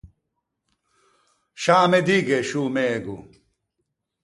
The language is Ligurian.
Scià me digghe, sciô mego.